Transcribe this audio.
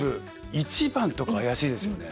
１番とか怪しいですよね。